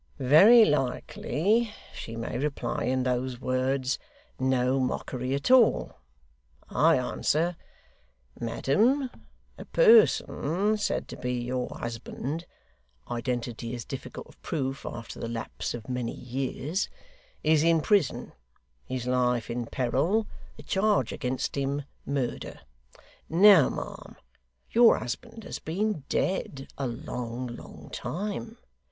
'Very likely, she may reply in those words. "No mockery at all," I answer: "Madam, a person said to be your husband (identity is difficult of proof after the lapse of many years) is in prison, his life in peril the charge against him, murder. Now, ma'am, your husband has been dead a long, long time.